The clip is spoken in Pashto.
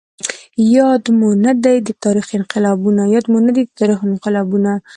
ياد مو نه دي د تاريخ انقلابونه